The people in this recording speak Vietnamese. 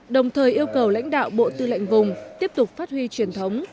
đồng thời yêu cầu lãnh đạo bộ tư lệnh vùng tiếp tục phát huy truyền thống